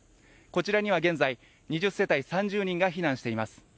こちらには現在２０世帯３０人が避難しています。